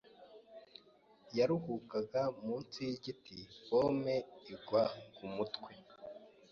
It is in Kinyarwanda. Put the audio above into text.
Yaruhukaga munsi yigiti pome igwa kumutwe.